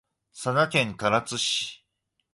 佐賀県唐津市